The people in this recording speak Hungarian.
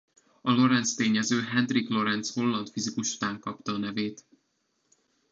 A Lorentz-tényező Hendrik Lorentz holland fizikus után kapta a nevét.